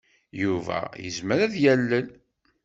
Yuba yezmer ad yalel.